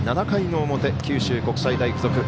７回の表、九州国際大付属。